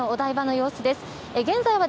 現在のお台場の様子です。